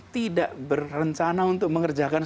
tidak berencana untuk mengerjakan